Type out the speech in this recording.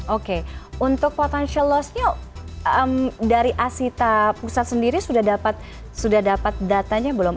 oke untuk potential lossnya dari asita pusat sendiri sudah dapat datanya belum